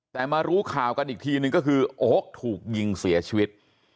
แต่มารู้ข่าวกันอีกทีนึงก็คือโอ๊คถูกยิงเสียชีวิต